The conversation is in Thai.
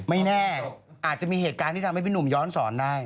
ไม่แน่อาจจะมีเหตุการณ์ที่ทำให้พี่หนุ่มย้อนสอนได้